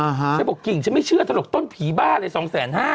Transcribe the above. จะบอกเก่งชนไม่เชื่อถูกต้นผีบ้าอะไรสองแสนห้า